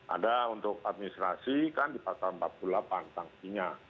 ada untuk administrasi kan di pasal empat puluh delapan sanksinya